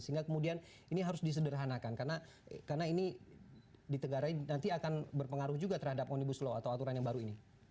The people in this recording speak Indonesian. sehingga kemudian ini harus disederhanakan karena ini ditegarai nanti akan berpengaruh juga terhadap omnibus law atau aturan yang baru ini